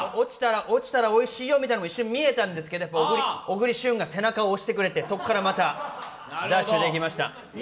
落ちたらおいしいよみたいなのも一瞬、見えたんですけど小栗旬が背中を押してくれて、そこからまたダッシュできました。